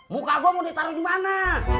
muka gue mau ditaruh dimana